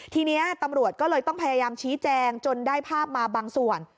ทีนี้ตำรวจก็เลยต้องพยายามชี้แจงจนได้ภาพมาบางส่วน